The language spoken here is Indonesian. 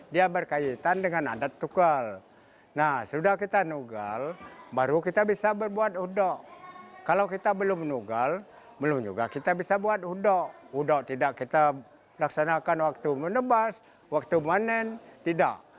di mana muda menang di mana tidak